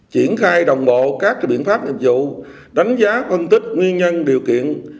triển khai đồng bộ các biện pháp dịch vụ đánh giá phân tích nguyên nhân điều kiện